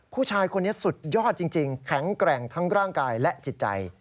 ผู้ชายคนนี้สุดยอดจริงแข็งแกร่งทั้งร่างกายและจิตใจ